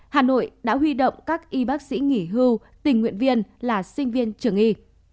hà nội đã huy động các y bác sĩ nghỉ hưu tình nguyện viên là sinh viên trường y